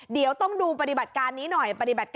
เดี๋ยวต้องดูปฏิบัติการนี้หน่อย